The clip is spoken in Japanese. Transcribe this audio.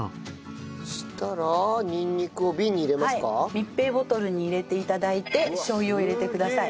密閉ボトルに入れて頂いてしょう油を入れてください。